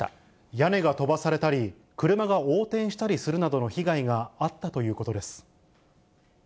屋根が飛ばされたり車が横転したりするなどの被害があったということです。